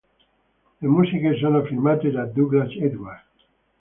Le musiche sono firmate da Douglas Edward.